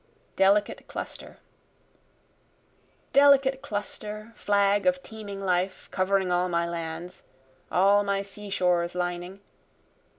Delicate Cluster Delicate cluster! flag of teeming life! Covering all my lands all my seashores lining!